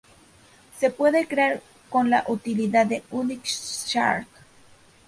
Se puede crear con la utilidad de Unix 'shar'.